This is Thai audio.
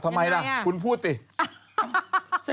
ทำไมล่ะคุณพูดสิยังไงอ่ะ